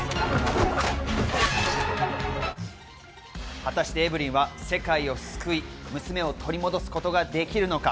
果たしてエヴリンは世界を救い、娘を取り戻すことができるのか？